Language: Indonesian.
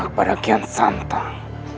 kepada kian santan